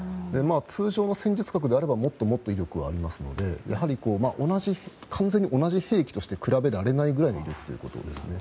通常は戦術核であればもっともっと威力がありますのでやはり、完全に同じ兵器として比べられないくらいということですね。